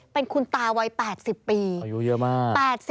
เป็นคุณตาวัย๘๐ปีอายุเยอะมาก